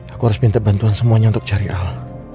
aku harus minta bantuan semuanya untuk cari alam